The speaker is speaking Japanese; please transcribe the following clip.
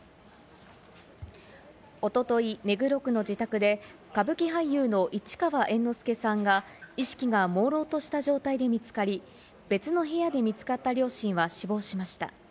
おととい、目黒区の自宅で歌舞伎俳優の市川猿之助さんが、意識がもうろうとした状態で見つかり、別の部屋で見つかった両親は死亡しました。